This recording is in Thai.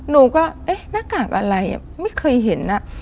นุกก็เอ๊ะนากากอะไรอ่ะไม่เคยเห็นอ่ะ